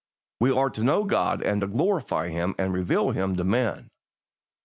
We are to know God and glorify Him and reveal Him to men.